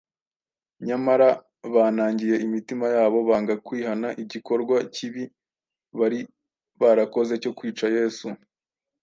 Nyamara banangiye imitima yabo, banga kwihana igikorwa kibi bari barakoze cyo kwica Yesu.